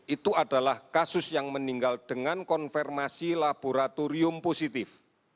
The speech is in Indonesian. itu adalah kasus yang meninggal dengan konfirmasi laboratorium positif